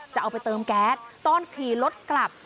จะเอาไปเติมแก๊สตอนขี่รถกลับ